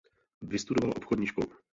Vystudovala obchodní školu.